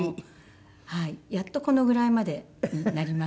やっとこのぐらいまでになりました。